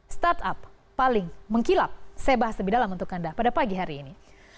startup paling mengkilap saya bahas lebih dalam untuk anda pada pagi hari ini